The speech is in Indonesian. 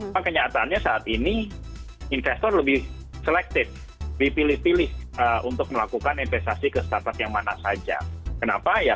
tapi kenyataannya saat ini investor lebih selected lebih pilih pilih untuk melakukan investasi ke start up yang masing masing